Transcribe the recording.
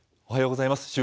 おはようございます。